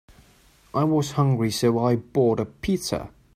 I was hungry, so I bought a pizza.